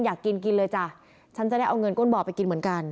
อยากกินกินเลยจ้ะฉันจะได้เอาเงินก้นบ่อไปกินเหมือนกัน